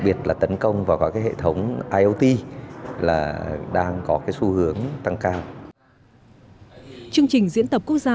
biệt là tấn công vào các hệ thống iot đang có xu hướng tăng cao chương trình diễn tập quốc gia